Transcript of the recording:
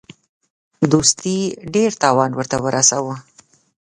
دوستي ډېر تاوان ورته ورساوه.